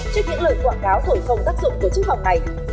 trên những lời quảng cáo thổi phồng tác dụng của chức phòng này